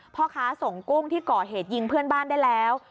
พ่อค้าส่งกุ้งที่ก่อเหตุยิงเพื่อนบ้านได้แล้ว